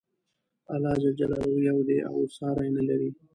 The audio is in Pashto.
الله ج یو دی او ساری نه لري.